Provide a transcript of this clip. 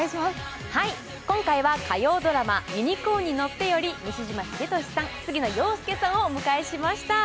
今回は火曜ドラマ「ユニコーンに乗って」より、西島秀俊さん、杉野遥亮さんをお迎えしました。